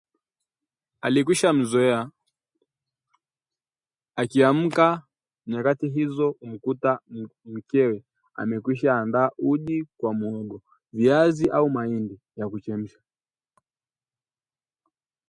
Alikwishazoea akiamka nyakati hizo humkuta mkewe amekwisha-andaa uji kwa muhogo, viazi au mahindi ya kuchemsha